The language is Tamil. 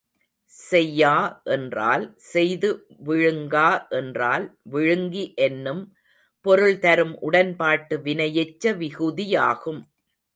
செய்யா என்றால் செய்து விழுங்கா என்றால் விழுங்கி என்னும் பொருள் தரும் உடன்பாட்டு வினையெச்ச விகுதியாகும்.